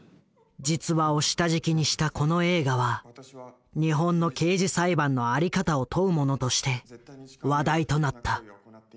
実話を下敷きにしたこの映画は日本の刑事裁判の在り方を問うものとして話題となった。